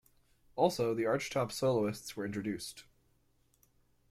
Also, the archtop Soloists were introduced.